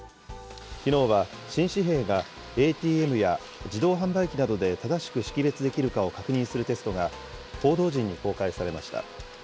きのうは新紙幣がＡＴＭや自動販売機などで正しく識別できるかを確認するテストが、報道陣に公開されました。